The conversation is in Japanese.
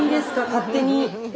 勝手に。